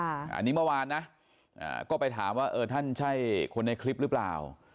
อันนี้เมื่อวานนะก็ไปถามว่าเออท่านใช่คนในคลิปหรือเปล่า